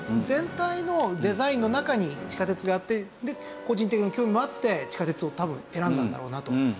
全体のデザインの中に地下鉄があってで個人的な興味もあって地下鉄を多分選んだんだろうなと。